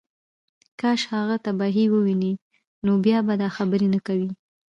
کاش هغه تباهۍ ووینې نو بیا به دا خبرې نه کوې